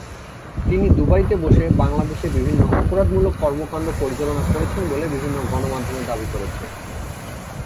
তিনি দুবাইতে বসে বাংলাদেশে বিভিন্ন অপরাধমূলক কর্মকাণ্ড পরিচালনা করেছেন বলে বিভিন্ন গণমাধ্যমে দাবি করেছে।